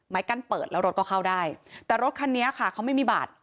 กั้นเปิดแล้วรถก็เข้าได้แต่รถคันนี้ค่ะเขาไม่มีบัตร